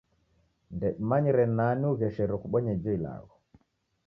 Ndedimanyire nani ugheshero kubonya ijo ilagho.